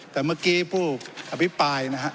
แต่เมื่อกี้ผู้อภิปัย